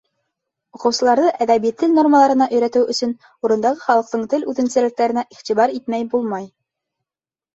Уҡыусыларҙы әҙәби тел нормаларына өйрәтеү өсөн урындағы халыҡтың тел үҙенсәлектәренә иғтибар итмәй булмай.